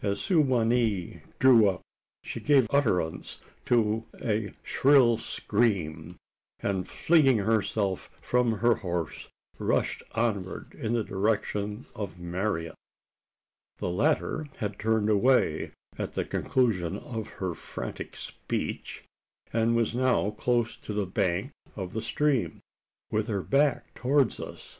As Su wa nee drew up, she gave utterance to a shrill scream; and flinging herself from her horse, rushed onward in the direction of Marian. The latter had turned away at the conclusion of her frantic speech; and was now close to the bank of the stream, with her back towards us.